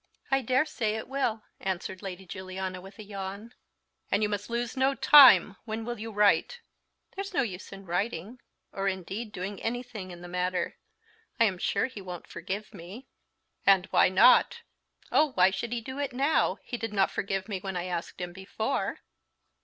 "I dare say it will," answered Lady Juliana, with a yawn. "And you must lose no time. When will you write?" "There's no use in writing, or indeed doing anything in the matter. I am sure he won't forgive me." "And why not?" "Oh, why should he do it now? He did not forgive me when I asked him before."